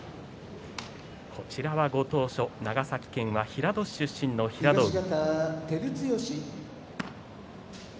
こちら、ご当所長崎平戸市出身の平戸海。